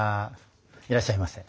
いらっしゃいませ。